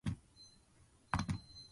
ばちかん